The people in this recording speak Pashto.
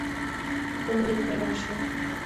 عمرې ته لاړ شه.